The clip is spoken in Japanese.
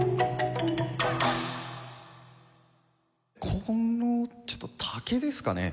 このちょっと竹ですかね？